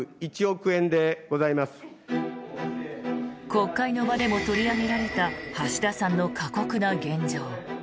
国会の場でも取り上げられた橋田さんの過酷な現状。